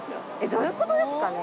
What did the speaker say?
どういうことですかね